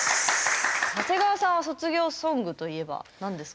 長谷川さんは卒業ソングといえば何ですか？